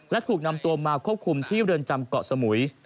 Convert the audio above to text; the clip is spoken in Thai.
และถูกนำตัวมาควบคุมที่เรือนจำเกาะสมุย